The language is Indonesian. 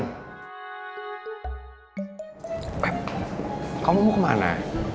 pep kamu mau kemana